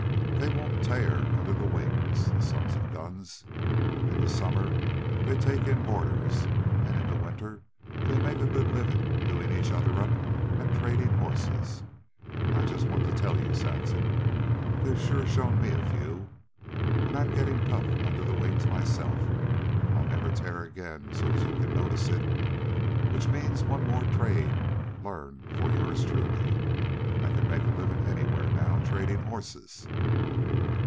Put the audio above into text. "They won't tear under the wings, the sons of guns. In the summer they take in boarders, an' in the winter they make a good livin' doin' each other up at tradin' horses. An' I just want to tell YOU, Saxon, they've sure shown me a few. An' I 'm gettin' tough under the wings myself. I'll never tear again so as you can notice it. Which means one more trade learned for yours truly. I can make a livin' anywhere now tradin' horses."